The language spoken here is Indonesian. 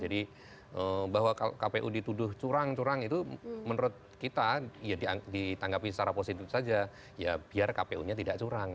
jadi bahwa kpu dituduh curang curang itu menurut kita ya ditanggapi secara positif saja ya biar kpu nya tidak curang